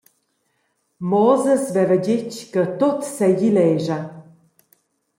Moses veva detg che tut seigi lescha.